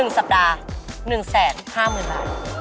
๑สัปดาห์สำคัญ๑๕๐๐๐บาท